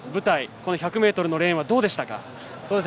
この１００ｍのレーンはどうでしたか？